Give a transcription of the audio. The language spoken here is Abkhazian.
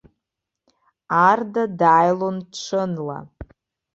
Арда дааилон ҽынла.